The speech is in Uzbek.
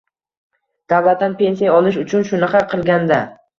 Davlatdan pensiya olish uchun shunaqa qilgan-da